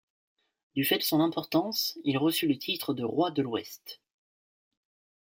Du fait de son importance, il reçut le titre de Roi de l'Ouest.